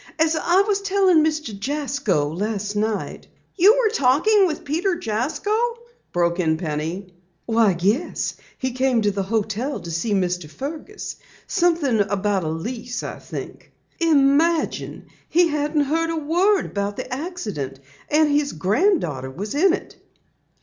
As I was telling Mr. Jasko last night " "You were talking with Peter Jasko?" broke in Penny. "Yes, he came to the hotel to see Mr. Fergus something about a lease, I think. Imagine! He hadn't heard a word about the accident, and his granddaughter was in it!"